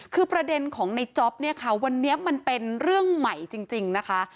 คือประเด็นของในจ๊อปเนี่ยค่ะวันนี้มันเป็นเรื่องใหม่จริงนะคะ